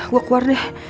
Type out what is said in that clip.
gue keluar deh